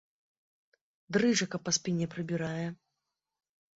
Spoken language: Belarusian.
Дрыжака па спіне прабірае.